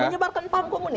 menyebarkan paham komunis